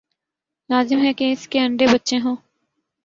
لازم ہے کہ اس کے انڈے بچے ہوں۔